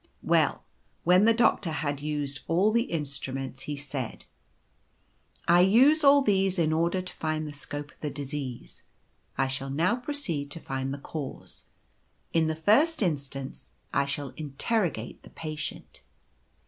" Well, when the doctor had used all the instruments, he said, ' I use all these in order to find the scope of the disease. I shall now proceed to find the cause. In the first instance, I shall interrogate the patient.'